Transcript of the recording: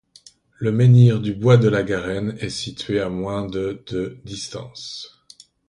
Le Menhir du Bois de la Garenne est situé à moins de de distance.